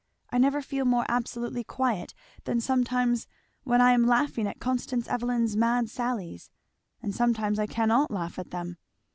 I never feel more absolutely quiet than sometimes when I am laughing at Constance Evelyn's mad sallies and sometimes I cannot laugh at them.